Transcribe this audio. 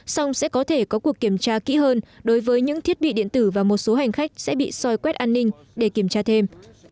song sẽ có thể có cuộc kiểm tra kỹ hơn đối với những thiết bị điện tử và một số hành khách sẽ bị soi quét an ninh để kiểm tra thêm